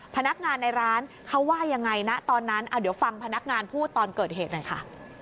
พนักงานในร้านเขาว่ายังไงนะตอนนั้นเดี๋ยวฟังพนักงานพูดตอนเกิดเหตุหน่อยค่ะ